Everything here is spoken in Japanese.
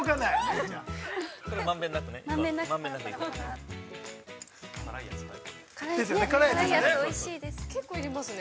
◆それ、満遍なくね。